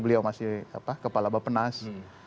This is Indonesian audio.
beliau masih kepala bapak penas